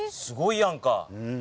すごいやんか。